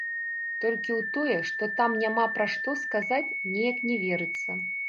Толькі ў тое, што там няма пра што сказаць, неяк не верыцца.